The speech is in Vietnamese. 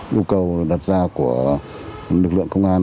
nhu cầu đặt ra của lực lượng công an